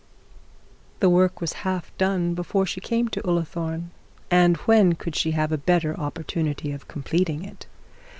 The work was half done before she came to Ullathorne, and when could she have a better opportunity of completing it?